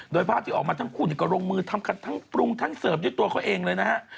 โดยภาพที่ออกมาทั้งคู่ก็ลงมือทำกันทั้งปรุงทั้งเสิร์ฟด้วยตัวเขาเองเลยนะฮะ